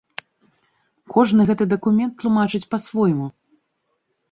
Кожны гэты дакумент тлумачыць па-свойму.